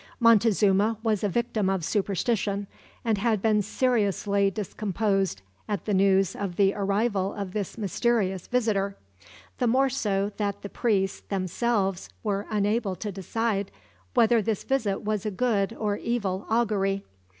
Montezuma was a victim of superstition, and had been seriously discomposed at the news of the arrival of this mysterious visitor; the more so that the priests, themselves, were unable to decide whether his visit was a good or evil augury.